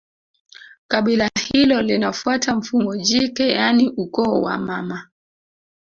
Kabila hilo linafuata mfumo jike yaani ukoo wa mama